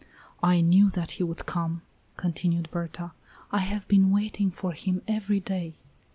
"I knew that he would come," continued Berta; "I have been waiting for him every day."